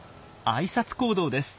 挨拶行動です。